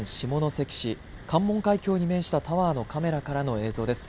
関門海峡に面したタワーのカメラからの映像です。